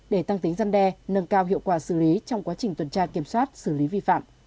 để tăng tính dân đe nâng cao hiệu quả xử lý trong quá trình tuần tra kiểm soát xử lý vi phạm